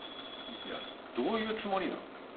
いやどういうつもりなん？